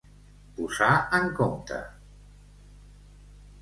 Posar en compte.